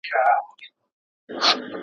د «خراسان» طرحه نه یوازي د افغانستان د نوم د